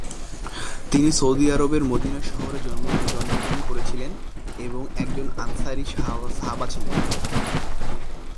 তিনি সৌদি আরবের মদিনা শহরে জন্মগ্রহণ করেছিলেন এবং একজন আনসারী সাহাবা ছিলেন।